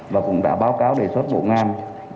và cũng đã báo cáo đề xuất bộ ngoan